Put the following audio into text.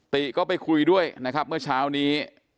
ติก็ไปคุยด้วยนะครับเมื่อเช้านี้